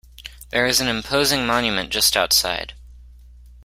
There is an imposing monument just outside.